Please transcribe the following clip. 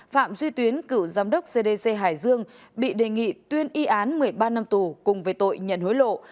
phạm duy tuyến cựu giám đốc cdc hải dương bị đề nghị tuyên y án một mươi ba năm tù cùng với tội nhận hối lộ